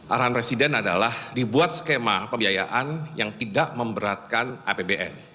arahan presiden adalah dibuat skema pembiayaan yang tidak memberatkan apbn